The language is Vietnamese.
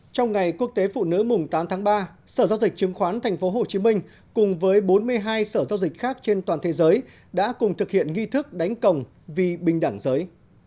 trong ngày quốc tế phụ nữ mùng tám tháng ba sở giao dịch chứng khoán tp hcm cùng với bốn mươi hai sở giao dịch khác trên toàn thế giới đã cùng thực hiện nghi thức đánh còng vì bình đẳng giới